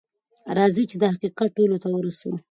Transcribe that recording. راځئ چې دا حقیقت ټولو ته ورسوو.